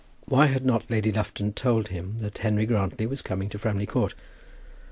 Why had not Lady Lufton told him that Henry Grantly was coming to Framley Court?